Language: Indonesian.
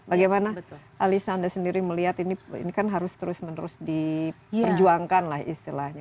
bagaimana alisa anda sendiri melihat ini kan harus terus menerus diperjuangkan lah istilahnya